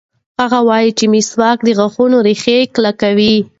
هغه وایي چې مسواک د غاښونو ریښې کلکوي.